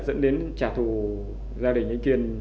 dẫn đến trả thù gia đình anh kiên